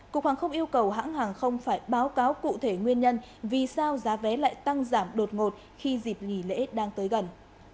cục hàng không yêu cầu hãng hàng không phải báo cáo cụ thể nguyên nhân vì sao giá vé lại tăng giảm đột ngột khi dịp nghỉ lễ đang tới gần